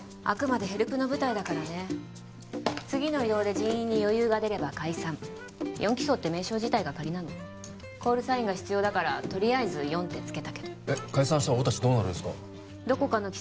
あくまでヘルプの部隊だからね次の異動で人員に余裕が出れば解散４機捜って名称自体が仮なのコールサインが必要だからとりあえず４ってつけたけどえっ解散したら俺達どうなるんすか？